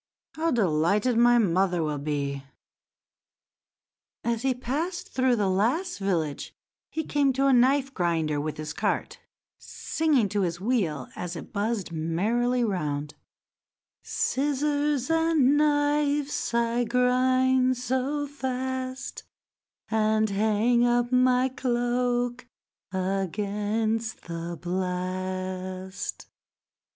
How delighted my mother will be!" As he passed through the last village he came to a knife grinder with his cart, singing to his wheel as it buzzed merrily round— "Scissors and knives I grind so fast, And hang up my cloak against the blast."